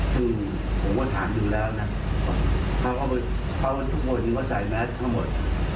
ซึ่งผมก็ถามอยู่แล้วนะเค้าทุกคนที่ก็ใส่แมสทั้งหมด